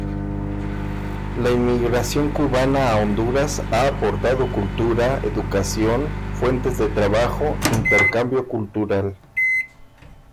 La inmigración cubana a Honduras ha aportado, Cultura, educación, fuentes de trabajo, intercambio cultural.